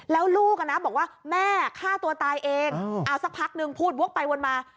แล้วลูกบอกว่าแม่ฆ่าตัวตายเองเอาสักพักนึงพูดวกไปวนมา